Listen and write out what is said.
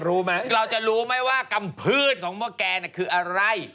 เราจะรู้ไหมว่ากำพืชของหม้อแกคืออะไร